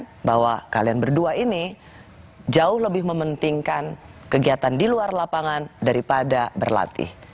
saya ingin bahwa kalian berdua ini jauh lebih mementingkan kegiatan di luar lapangan daripada berlatih